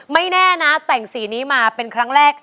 ไม่แน่นะแต่งสีนี้มาเป็นครั้งแรก